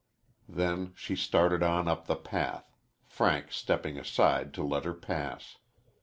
Then she started on up the path, Frank stepping aside to let her pass.